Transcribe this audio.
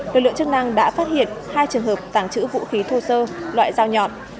lực lượng chức năng đã phát hiện hai trường hợp tàng trữ vũ khí thô sơ loại dao nhọn